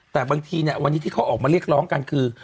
แต่บางทีเนี่ยวันนี้ที่เขาออกมาเรียกร้องกันคือ